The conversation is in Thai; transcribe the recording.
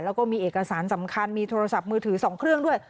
แล้วก็มีเอกสารสำคัญมีโทรศัพท์มือถือ๒เครื่องด้วย